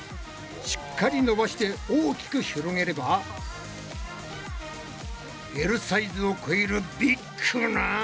しっかり伸ばして大きく広げればＬサイズを超えるビッグな。